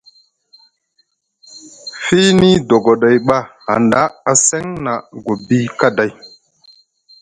Fiini dogoɗay ɓa hanɗa a seŋ na gobi kaday.